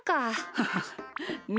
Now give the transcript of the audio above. ハハッみ